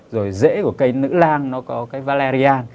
rồi rễ của cây nữ lang nó có cái valerian